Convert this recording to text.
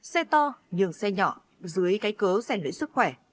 xe to nhường xe nhỏ dưới cái cớ xen luyện sức khỏe